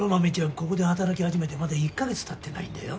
ここで働き始めてまだ１カ月たってないんだよ